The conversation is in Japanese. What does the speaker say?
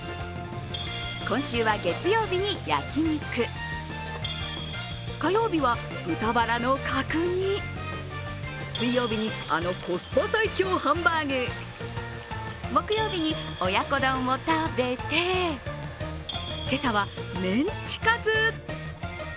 今週は月曜日に焼き肉、火曜日は豚バラの角煮、水曜日にあのコスパ最強ハンバーグ、木曜日に親子丼を食べて、今朝はメンチカツ。